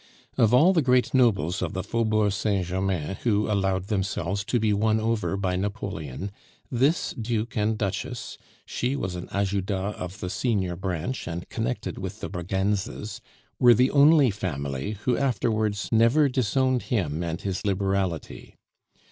Of all the great nobles of the Faubourg Saint Germain who allowed themselves to be won over by Napoleon, this Duke and Duchess she was an Ajuda of the senior branch, and connected with the Braganzas were the only family who afterwards never disowned him and his liberality.